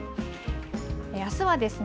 あすはですね